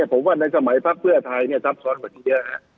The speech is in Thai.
ผมว่าในสมัยภักด์เพื่อไทยเนี่ยทรัพย์ซ้อนเยอะ